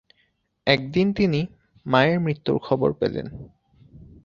একদিন তিনি মায়ের মৃত্যুর খবর পেলেন।